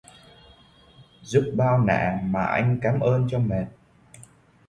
Giúp bao nả mà anh cám ơn cho mệt